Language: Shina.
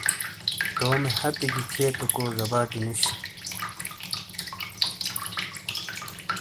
تومے ہتھی گی تھیئتے کو زباٹی نُوش۔